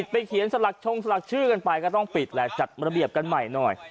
ไปเขียนสลักชงสลักชื่อกันไปก็ต้องปิดแหละจัดระเบียบกันใหม่หน่อย